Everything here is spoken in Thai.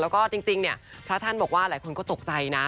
แล้วก็จริงเนี่ยพระท่านบอกว่าหลายคนก็ตกใจนะ